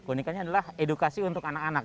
keunikannya adalah edukasi untuk anak anak